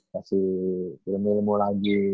kasih ilmu ilmu lagi